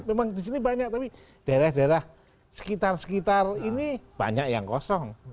memang di sini banyak tapi daerah daerah sekitar sekitar ini banyak yang kosong